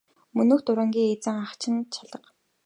Мөнөөх дурангийн эзэн ах ч алга.